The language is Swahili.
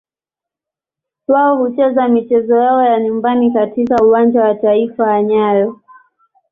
Wao hucheza michezo yao ya nyumbani katika Uwanja wa Taifa wa nyayo.